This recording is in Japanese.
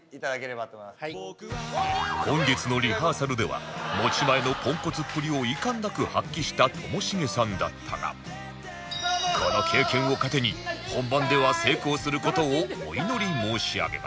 本日のリハーサルでは持ち前のポンコツっぷりを遺憾なく発揮したともしげさんだったがこの経験を糧に本番では成功する事をお祈り申し上げます